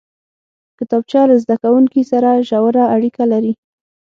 کتابچه له زده کوونکي سره ژوره اړیکه لري